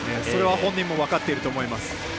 それは本人も分かっていると思います。